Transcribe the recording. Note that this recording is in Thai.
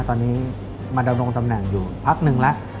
ตอนนี้มาดำรงตำแหน่งอยู่พักนึงแล้ว